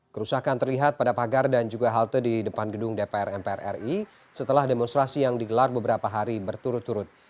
kerusakan terlihat pada pagar dan juga halte di depan gedung dpr mpr ri setelah demonstrasi yang digelar beberapa hari berturut turut